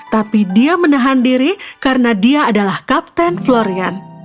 tapi dia menahan diri karena dia adalah kapten florian